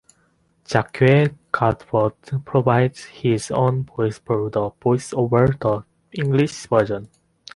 Jacques Godbout provides his own voice for the voice-overs of the English version.